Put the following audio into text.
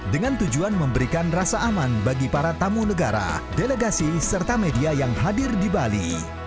dengan tujuan memberikan rasa aman bagi para tamu negara delegasi serta media yang hadir di bali